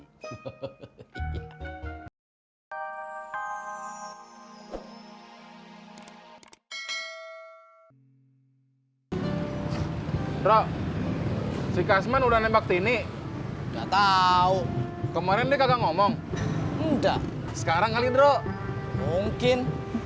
bro si kasman udah nembak ini enggak tahu kemarin dia kagak ngomong udah sekarang kali bro mungkin